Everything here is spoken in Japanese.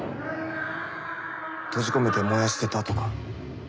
閉じ込めて燃やしてたとか。